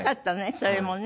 それもね。